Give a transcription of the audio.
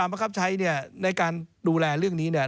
๔๓ปังคับใช้เนี่ยในการดูแลเรื่องนี้นี่